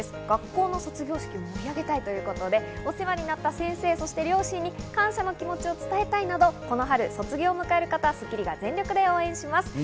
学校の卒業式を盛り上げたいということでお世話になった先生、両親に感謝の気持ちを伝えたいなど、この春卒業迎える方『スッキリ』が全力で応援します。